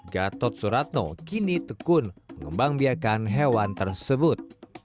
gatot suratno kini tekun mengembang biakan hewan tersebut